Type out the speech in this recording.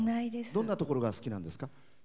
どんなところが好きなんですか？